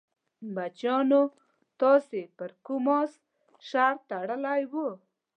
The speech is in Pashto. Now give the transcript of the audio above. بچیانو تاسې پر کوم اس شرط تړلی وو؟